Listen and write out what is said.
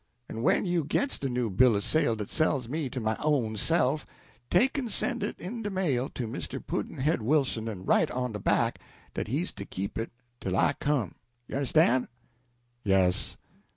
"En when you gits de new bill o' sale dat sells me to my own self, take en send it in de mail to Mr. Pudd'nhead Wilson, en write on de back dat he's to keep it tell I come. You understan'?" "Yes."